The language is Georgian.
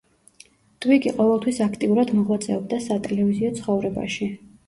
ტვიგი ყოველთვის აქტიურად მოღვაწეობდა სატელევიზიო ცხოვრებაში.